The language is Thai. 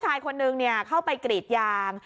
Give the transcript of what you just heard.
ชายคนนึงเข้าไปกรีดยาง